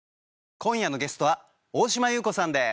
今夜のゲストは大島優子さんです。